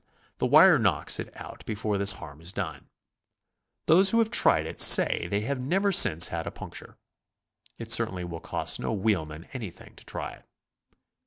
The wire knocks it off before this harm is done. Those who have tried it say they have never since had a puncture. It certainly will cost no wheelman anything to try it.